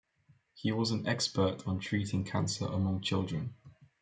He was an expert on treating cancer among children.